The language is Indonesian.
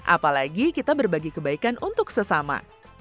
apalagi kita berbagi kebaikan untuk sesama